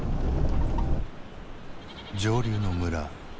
上流の村。